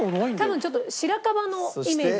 多分ちょっと白樺のイメージ。